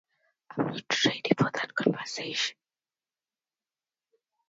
In fact, the two men almost never spoke to each other.